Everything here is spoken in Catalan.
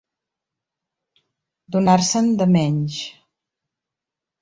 Donar-se'n de menys.